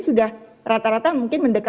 sudah rata rata mungkin mendeka